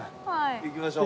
行きましょう。